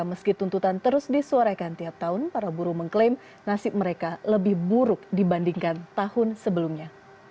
meski tuntutan terus disuarakan tiap tahun para buruh mengklaim nasib mereka lebih buruk dibandingkan tahun sebelumnya